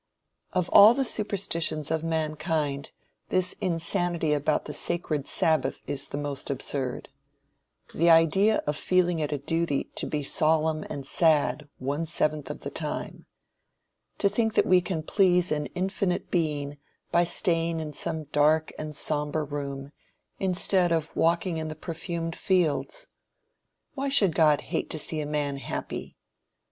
Of all the superstitions of mankind, this insanity about the "sacred sabbath" is the most absurd. The idea of feeling it a duty to be solemn and sad one seventh of the time! To think that we can please an infinite being by staying in some dark and sombre room, instead of walking in the perfumed fields! Why should God hate to see a man happy?